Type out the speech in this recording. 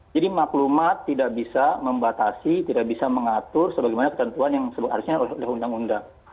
jadi maklumat tidak bisa membatasi tidak bisa mengatur sebagaimana ketentuan yang seharusnya oleh undang undang